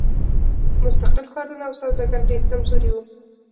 مستقل ښارونه او سوداګر ډېر کمزوري وو.